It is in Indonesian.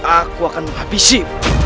aku akan menghabisi